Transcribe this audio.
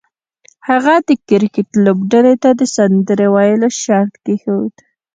هغه د کرکټ لوبډلې ته د سندرې ویلو شرط کېښود